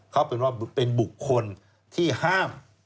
เขาเป็นบุคคลที่ห้าม